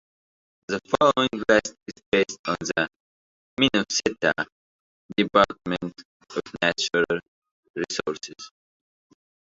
The following list is based on the Minnesota Department of Natural Resources.